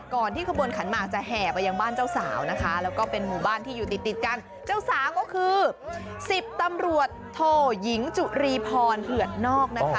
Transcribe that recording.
ที่ขบวนขันหมากจะแห่ไปยังบ้านเจ้าสาวนะคะแล้วก็เป็นหมู่บ้านที่อยู่ติดติดกันเจ้าสาวก็คือสิบตำรวจโทยิงจุรีพรเผือดนอกนะคะ